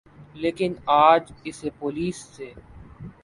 لیکن اج اسے پولیس سے